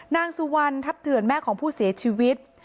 นางสุวรรณทัพเถื่อนแม่ของผู้เสียชีวิต